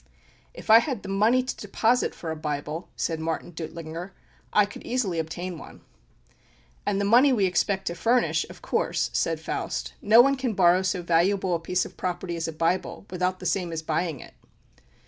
"If I had the money to deposit for a Bible," said Martin Duttlinger, "I could easily obtain one." "And the money we expect to furnish, of course," said Faust. "No one can borrow so valuable a piece of property as a Bible, without the same as buying it."